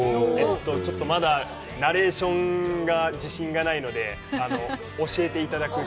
ちょっとまだナレーションが自信がないので、教えていただく。